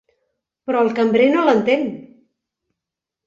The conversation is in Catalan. Però el cambrer no l'entén.